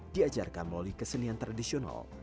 diajarkan melalui kesenian tradisional